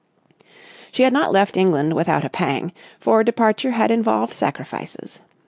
She had not left England without a pang, for departure had involved sacrifices.